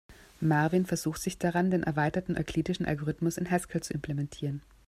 Marvin versucht sich daran, den erweiterten euklidischen Algorithmus in Haskell zu implementieren.